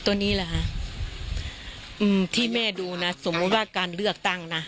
ตัวนี้เหรอคะอืมที่แม่ดูนะสมมุติว่าการเลือกตั้งนะ